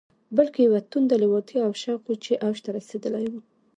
بلکې يوه تنده، لېوالتیا او شوق و چې اوج ته رسېدلی و.